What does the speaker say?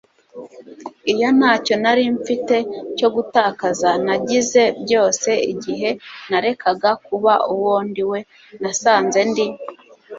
iyo ntacyo nari mfite cyo gutakaza, nagize byose igihe narekaga kuba uwo ndi we, nasanze ndi